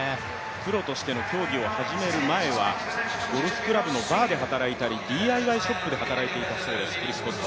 プロとしての競技を始める前はゴルフクラブのバーで働いたり、ＤＩＹショップで働いていたそうですプリスコッド。